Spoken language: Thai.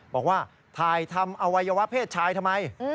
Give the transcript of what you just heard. บอกว่าถ่ายทำอวัยวะเพศชายทำไม